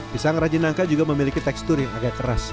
pisang rajenangka juga memiliki tekstur yang agak keras